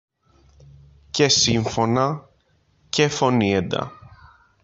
και σύμφωνα και φωνήεντα